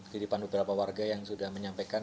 di depan beberapa warga yang sudah menyampaikan